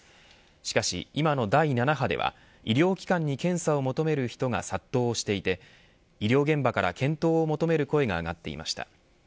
しかし今の第７波では医療機関に検査を求める人が殺到していて医療現場から検討を求める声が上がっていました。